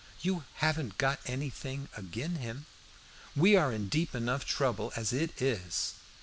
You haven't got anything agin him? We are in deep enough trouble as it is."